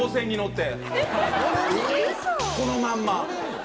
このまんま。